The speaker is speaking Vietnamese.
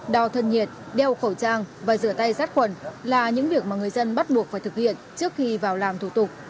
đo thân nhiệt đeo khẩu trang và rửa tay sát khuẩn là những việc mà người dân bắt buộc phải thực hiện trước khi vào làm thủ tục